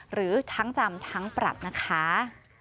หรือทั้งจำทั้งปรับนะคะ